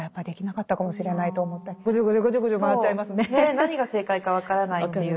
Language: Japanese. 何が正解か分からないっていう。